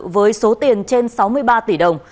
với số tiền trên sáu mươi ba tỷ đồng